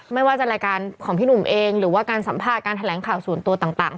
ไม่ว่าจะรายการของพี่หนุ่มเองหรือว่าการสัมภาษณ์การแถลงข่าวส่วนตัวต่าง